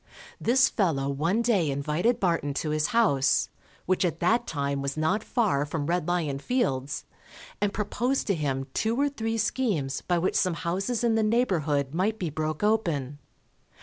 This fellow one day invited Barton to his house, which at that time was not far from Red Lion Fields, and proposed to him two or three schemes by which some houses in the neighbourhood might be broke open.